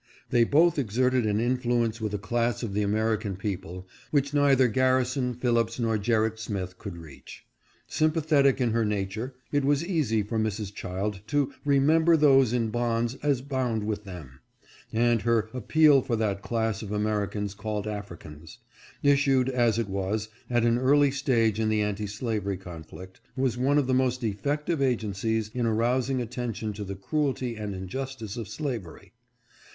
They both exerted an influence with a class of the American people which neither Garrison, Phillips nor Gerrit Smith could reach. Sympathetic in her nature, it wes easy for Mrs. Child to " remember those in bonds as bound with them ;" and her " appeal for that class of Americans called Africans," issued, as it was, at an early stage in the anti slavery conflict, was one of the most effec tive agencies in arousing attention to the cruelty and injus tice of slavery.